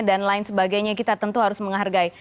dan lain sebagainya kita tentu harus menghargai